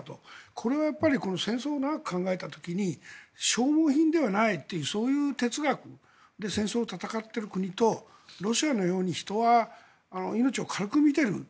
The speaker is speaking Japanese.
これは戦争を長く考えた時に消耗品ではないという哲学で戦争を戦ってる国とロシアのように人は命を軽く見ている。